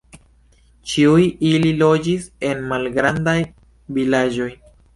Ĉiuj ili loĝis en malgrandaj vilaĝoj.